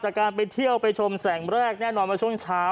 จากการไปเที่ยวไปชมแสงแรกแน่นอนว่าช่วงเช้า